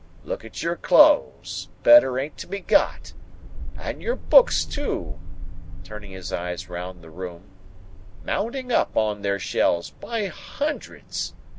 Look at your clothes; better ain't to be got! And your books too," turning his eyes round the room, "mounting up, on their shelves, by hundreds!